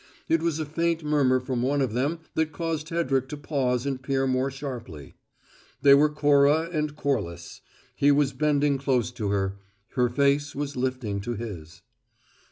It was a faint murmur from one of them that caused Hedrick to pause and peer more sharply. They were Cora and Corliss; he was bending close to her; her face was lifting to his.